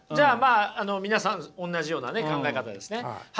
あの皆さんおんなじようなね考え方ですね。